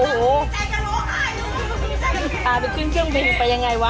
แล้วก็หมอจะมาใจจังรูอ่าอ่าไปขึ้นเปิดไปยังไงวะอ่า